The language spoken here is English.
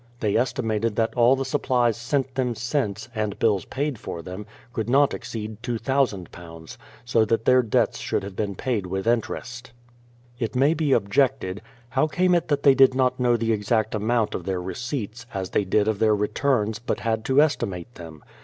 They estimated that all the supplies sent them since, and bills paid for them, could not exceed £2000; so that their debts should have been paid with interest. It may be objected; how came it that they did not know the exact amount of their receipts, as they did of their returns, but had to estimate them?